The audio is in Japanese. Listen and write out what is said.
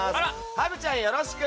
ハグちゃん、よろしく。